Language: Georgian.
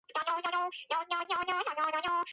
დირიჟორი მაესტრო დენიელ კალეგარი იქნება.